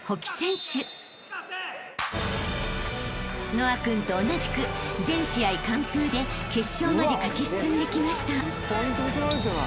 ［和青君と同じく全試合完封で決勝まで勝ち進んできました］